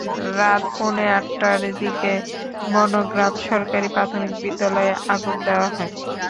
রাত পৌনে আটটার দিকে বনগ্রাম সরকারি প্রাথমিক বিদ্যালয়ে আগুন দেওয়া হয়।